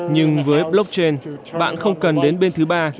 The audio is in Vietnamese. nhưng với blockchain bạn không cần đến bên thứ ba